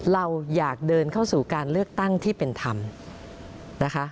เราอยากเดินเข้าสู่การเลือกตั้งที่เป็นธรรมนะคะ